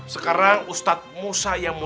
sekarang ustadz musa yang mulia